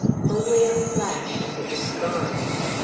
Only a flash, and it was gone!